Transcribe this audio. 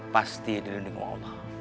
pasti dirinding sama allah